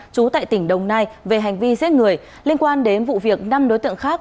trú tại tỉnh đồng nai về hành vi giết người liên quan đến vụ việc năm đối tượng khác